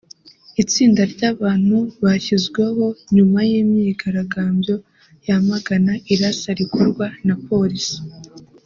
Itsinda ry'abantu bashyizweho nyuma y'imyigaragambyo yamagana irasa rikorwa na polisi